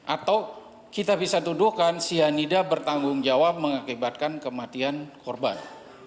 atau kita bisa tuduhkan cyanida bertanggung jawab mengakibatkan kematian korban